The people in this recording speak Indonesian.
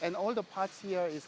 dan semua bagian di sini